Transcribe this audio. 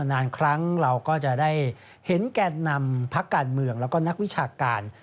นานครั้งเราก็จะได้เห็นแก่นนำพักการเมืองแล้วก็นักวิชาการ